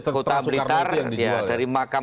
kota blitar dari makam